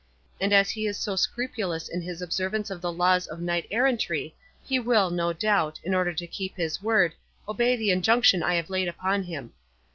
And as he is so scrupulous in his observance of the laws of knight errantry, he will, no doubt, in order to keep his word, obey the injunction I have laid upon him.